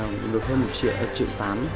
là được hơn một triệu hai triệu tám